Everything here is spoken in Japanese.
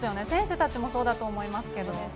選手たちもそうだと思いますけど。